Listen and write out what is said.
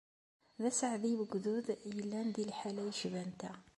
D aseɛdi ugdud yellan di liḥala yecban ta!